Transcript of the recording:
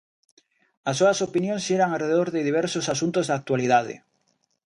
As súas opinións xiran arredor de diversos asuntos de actualidade.